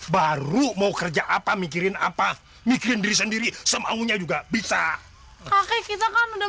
baru mau kerja apa mikirin apa mikirin diri sendiri semaunya juga bisa oke kita kan udah